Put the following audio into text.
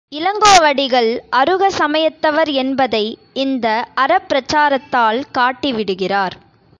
இளங்கோவடிகள் அருக சமயத்தவர் என்பதை இந்த அறப்பிரச்சாரத்தால் காட்டி விடுகிறார்.